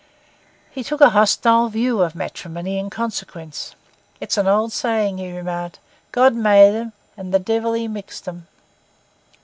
He took a hostile view of matrimony in consequence. 'It's an old saying,' he remarked: 'God made 'em, and the devil he mixed 'em.